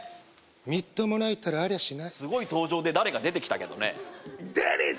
みっともないったらありゃしないすごい登場で誰か出てきたけどね誰だ？